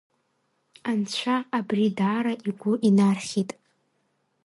Анцәа абри даара игәы инархьит.